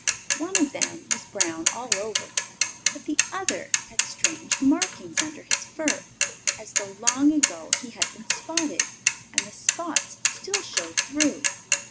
One of them was brown all over, but the other had strange markings under his fur, as though long ago he had been spotted, and the spots still showed through.